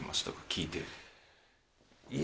聞いて。